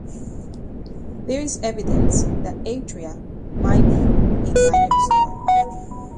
There is evidence that Atria may be a binary star.